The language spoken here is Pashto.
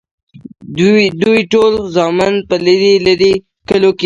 دوي خپل ټول زامن پۀ لرې لرې کلو کښې